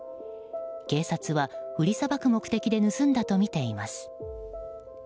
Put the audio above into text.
警察は売りさばく目的として盗んだとみています。